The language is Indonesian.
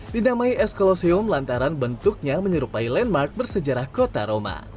dinamai es coloseum lantaran bentuknya menyerupai landmark bersejarah kota roma